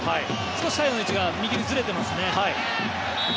少しサイドの位置が右にずれていますね。